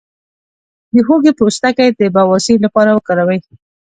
د هوږې پوستکی د بواسیر لپاره وکاروئ